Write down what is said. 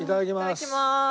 いただきます。